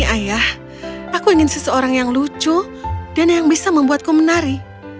ayah aku ingin seseorang yang lucu dan yang bisa membuatku menari